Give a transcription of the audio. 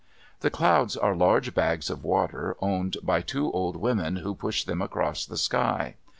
The clouds are large bags of water, owned by two old women who push them across the sky.